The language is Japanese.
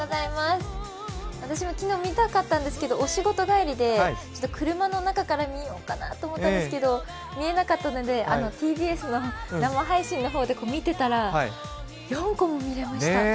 私も昨日見たかったんですけどお仕事帰りで車の中から見えるかなと思ったんですけど、見えなかったのでＴＢＳの生配信の方で見てたら、４個も見れました。